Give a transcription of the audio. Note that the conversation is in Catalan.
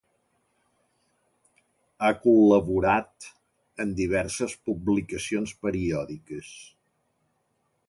Ha col·laborat en diverses publicacions periòdiques.